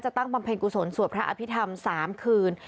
ตั้งบำเพ็ญกุศลสวดพระอภิษฐรรม๓คืน